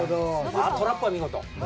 トラップは見事。